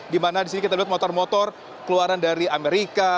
di mana di sini kita lihat motor motor keluaran dari amerika